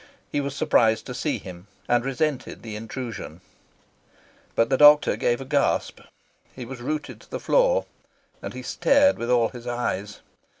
He was surprised to see him, and resented the intrusion. But the doctor gave a gasp, he was rooted to the floor, and he stared with all his eyes.